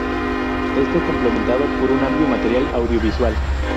Esto complementado por un amplio material audiovisual.